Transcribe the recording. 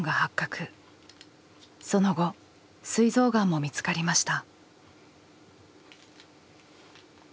その後すい臓がんも見つかりました。